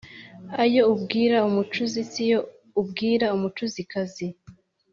Ayo ubwira umucuzi si yo ubwira umucuzikazi.